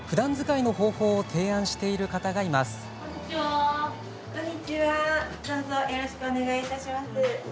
どうぞよろしくお願いいたしします。